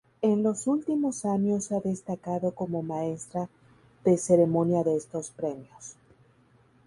En los últimos años ha destacado como maestra de ceremonia de estos premios.